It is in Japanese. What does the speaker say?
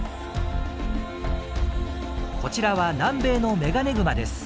こちらは南米のメガネグマです。